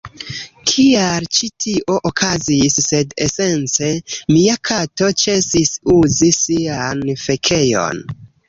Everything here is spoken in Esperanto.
kial ĉi tio okazis, sed esence mia kato ĉesis uzi sian fekejon